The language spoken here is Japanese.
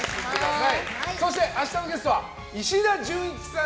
そして明日のゲストは石田純一さん